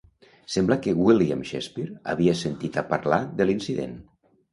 Sembla que William Shakespeare havia sentit a parlar de l'incident.